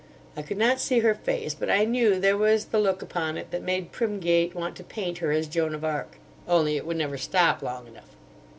I could not see her face, but I knew there was the look upon it that made Primgate want to paint her as Joan of Arc; only it would never stop long enough.